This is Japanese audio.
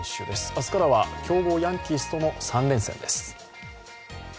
明日からは強豪ヤンキースとの３連戦です。